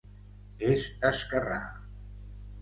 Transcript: És esquerrà.